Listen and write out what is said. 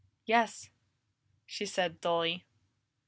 "Yes," she said dully.